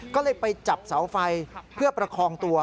ก็เลยไปจับเสาไฟเพื่อประคองตัว